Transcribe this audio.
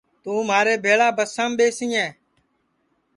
توں مھارے بھیݪا بسام ٻیسیں